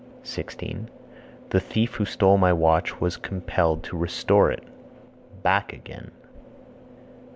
16. The thief who stole my watch was compelled to restore it (back again).